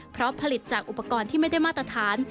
เพราะผลิตจากอุปกรณ์ที่ไม่ได้มาตรฐาน